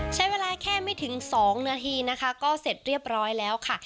ใช้เวลาแค่ไม่ถึง๒นาทีนะคะก็เสร็จเรียบร้อยแล้วค่ะ